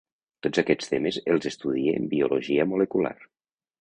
Tots aquests temes els estudie en Biologia molecular.